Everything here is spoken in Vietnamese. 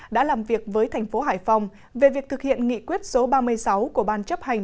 đã làm việc với thành phố hải phòng về việc thực hiện nghị quyết số ba mươi sáu của ban chấp hành